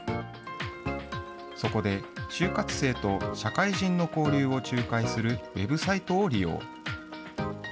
そこで就活生と社会人の交流を仲介するウェブサイトを利用。